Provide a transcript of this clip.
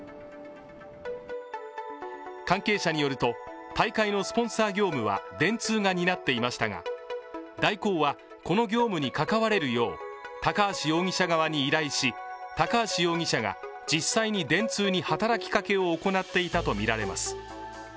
関係者によると大会のスポンサー業務は、電通が担っていましたが、大広はこの業務に関われるよう高橋容疑者側に依頼し、高橋容疑者が実際に電通に働きかけを行っていたとみられます。